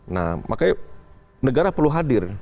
nah makanya negara perlu hadir